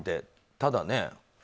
ただね。